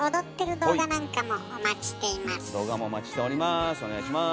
動画もお待ちしております。